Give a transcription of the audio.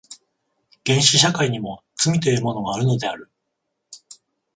原始社会にも罪というものがあるのである。